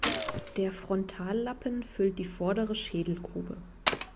Der Frontallappen füllt die vordere Schädelgrube.